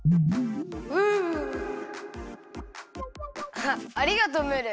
あありがとうムール。